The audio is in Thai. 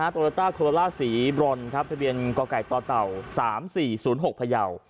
ตัวละต้าโคลาล่าสีบรอนทะเบียนกไก่ตเต่า๓๔๐๖พย